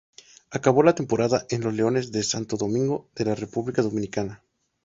Acabó la temporada en los Leones de Santo Domingo de la República Dominicana.